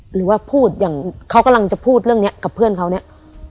หรือว่าพูดอย่างเขากำลังจะพูดเรื่องนี้กับเพื่อนเขาเนี่ย